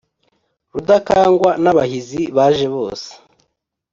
rudakangwa n’abahizi baje bose